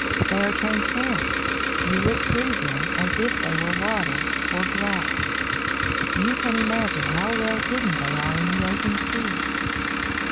They are transparent you look through them as if they were water or glass. You can imagine how well hidden they are in the open sea.